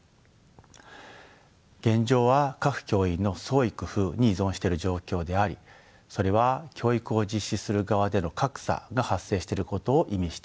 現状は各教員の創意工夫に依存してる状況でありそれは教育を実施する側での格差が発生してることを意味しています。